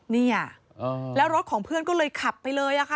นี่แล้วรถของเพื่อนก็เลยขับไปเลย